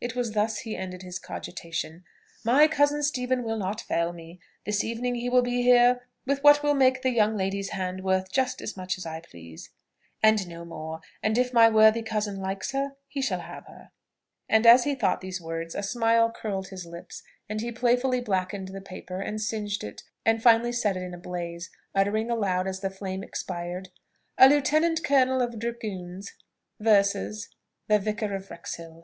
It was thus he ended his cogitation. "My cousin Stephen will not fail me. This evening he will be here with what will make the young lady's hand worth just as much as I please, and no more: and if my worthy cousin likes her, he shall have her." And as he thought these words, a smile curled his lips, and he playfully blackened the paper, and singed it, and finally set it in a blaze, uttering aloud as the flame expired, "A lieutenant colonel of dragoons versus the Vicar of Wrexhill."